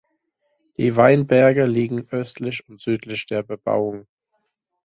Die Weinberge liegen östlich und südlich der Bebauung.